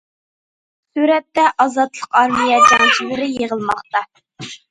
سۈرەتتە: ئازادلىق ئارمىيە جەڭچىلىرى يىغىلماقتا.